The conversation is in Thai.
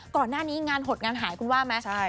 ก่อนหน้านี้งานหดงานหายคุณว่าไหม